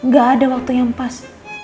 gak ada waktu yang pas